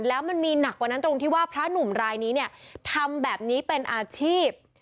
แล้วมันมีหนักกว่านั้นตรงที่ว่าพระหนุ่มรายนี้เนี่ยทำแบบนี้เป็นอาชีพ